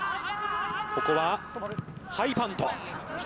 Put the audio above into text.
ここはハイパント。